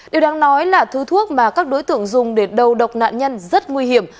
điều đang nói là thuốc mà các đối tượng dùng để đầu độc nạn nhân rất nguy hiểm